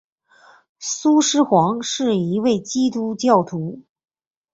苏施黄是一名基督徒。